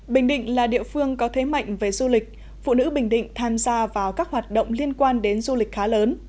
bình định là địa phương có thế mạnh về du lịch phụ nữ bình định tham gia vào các hoạt động liên quan đến du lịch khá lớn